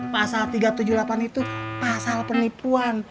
pasal tiga ratus tujuh puluh delapan itu pasal penipuan